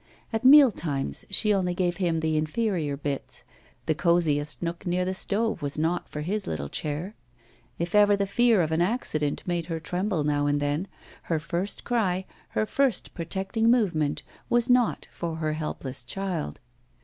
At meal times she only gave him the inferior bits; the cosiest nook near the stove was not for his little chair; if ever the fear of an accident made her tremble now and then, her first cry, her first protecting movement was not for her helpless child.